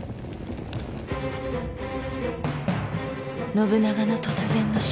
信長の突然の死。